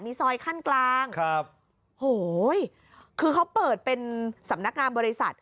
ซอยขั้นกลางครับโหยคือเขาเปิดเป็นสำนักงานบริษัท